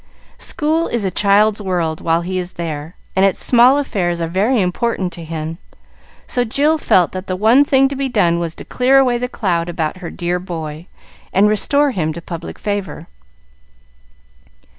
School is a child's world while he is there, and its small affairs are very important to him, so Jill felt that the one thing to be done was to clear away the cloud about her dear boy, and restore him to public favor.